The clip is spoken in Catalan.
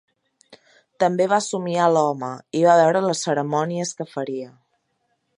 També va somiar l'home, i va veure les cerimònies que faria.